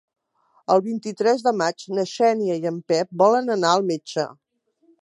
El vint-i-tres de maig na Xènia i en Pep volen anar al metge.